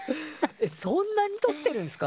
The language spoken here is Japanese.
そんなにとってるんすか？